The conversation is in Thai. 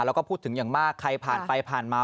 แล้วก็พูดถึงอย่างมากใครผ่านไปผ่านมา